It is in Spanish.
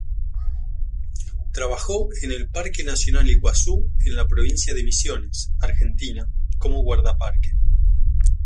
Trabajó en el Parque nacional Iguazú en la Provincia de Misiones, Argentina, como guardaparque.